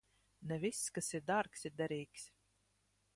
Ne viss, kas ir dārgs, ir derīgs.